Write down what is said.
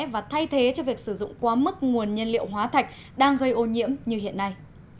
và thay thế cho việc sử dụng quá mức nguồn nhân liệu hóa thạch đang gây ô nhiễm như hiện nay